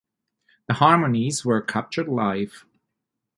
The harmonies were captured live.